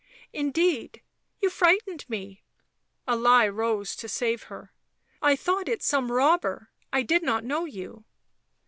u Indeed, you frightened me "— a lie rose to save her. u I thought it some robber — I did not know you."